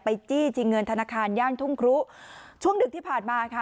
จี้ชิงเงินธนาคารย่านทุ่งครุช่วงดึกที่ผ่านมาค่ะ